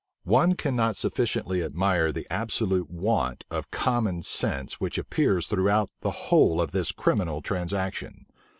One cannot sufficiently admire the absolute want of common sense which appears throughout the whole of this criminal transaction.